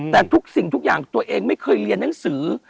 แต่ทุกสิ่งทุกอย่างตัวเองไม่เคยเรียนหนังสือ